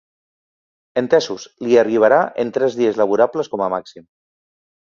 Entesos, li arribarà en tres dies laborables com a màxim.